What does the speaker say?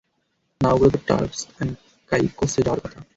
না, ওগুলো তো টার্কস এন্ড কাইকোসে যাওয়ার কথা।